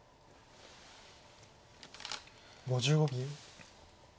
５５秒。